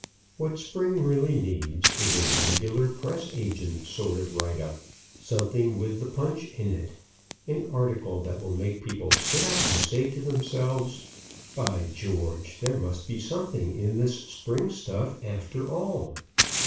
What Spring really needs is a regular press agent sort of write up, something with the Punch in it, an article that will make people sit up and say to themselves, "By George, there must be something in this Spring stuff, after all."